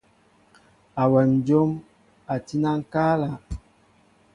Awem njóm tí na ŋkala.